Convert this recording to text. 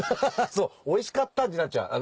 そうおいしかったになっちゃう。